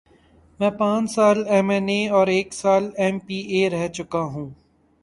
میں پانچ سال ایم این اے اور ایک سال ایم پی اے رہ چکا ہوں۔